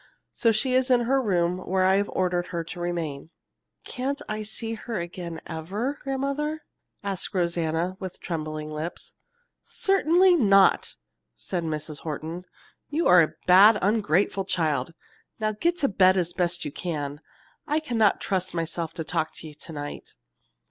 So she is in her room where I have ordered her to remain." "Can't I see her again ever, grandmother?" asked Rosanna, with trembling lips. "Certainly not!" said Mrs. Horton. "You are a bad, ungrateful child. Get to bed as best you can! I cannot trust myself to talk to you to night.